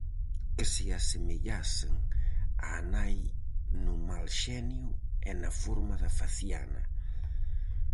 Que se asemellasen á nai no mal xenio e na forma da faciana.